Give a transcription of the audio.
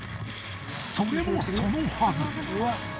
それもそのはず。